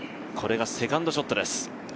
これがセカンドショットです。